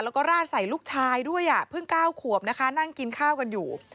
แล้วก็ราดใส่ลูกชายด้วยอ่ะเพิ่ง๙ขวบนะคะนั่งกินข้าวกันอยู่